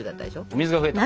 水が増えた。